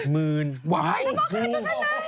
ทำไมขายเจอเท่านั้น